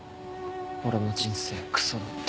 俺の人生クソだって。